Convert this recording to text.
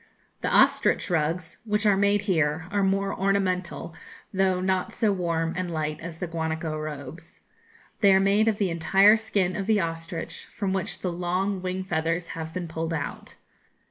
The ostrich rugs, which are made here, are more ornamental, though not so warm and light as the guanaco robes. They are made of the entire skin of the ostrich, from which the long wing feathers have been pulled out.